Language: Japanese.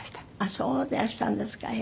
そうでいらしたんですか。